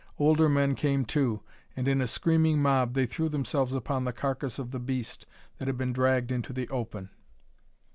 Older men came, too, and in a screaming mob they threw themselves upon the carcass of the beast that had been dragged into the open.